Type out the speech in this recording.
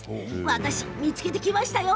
私、見つけてきました。